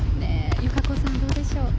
友香子さん、どうでしょう。